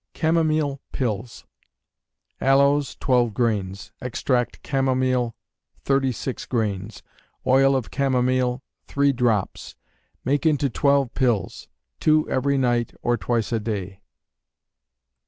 Chamomile Pills. Aloes, twelve grains; extract chamomile, thirty six grains; oil of chamomile, three drops; make into twelve pills: two every night, or twice a day.